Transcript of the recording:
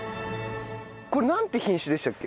これなんて品種でしたっけ？